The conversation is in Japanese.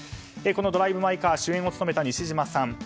この「ドライブ・マイ・カー」主演を務めた西島さん。